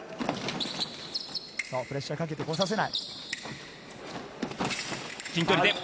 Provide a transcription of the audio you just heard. プレッシャーをかけてこさせ近距離で。